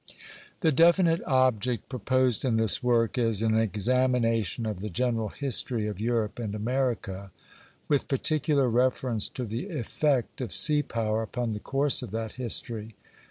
The definite object proposed in this work is an examination of the general history of Europe and America with particular reference to the effect of sea power upon the course of that history.